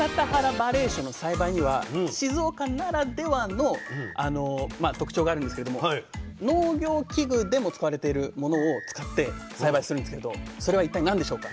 ばれいしょの栽培には静岡ならではの特徴があるんですけれども農業機具でも使われているものを使って栽培するんですけどそれは一体何でしょうか？